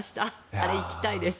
あれ、行きたいです。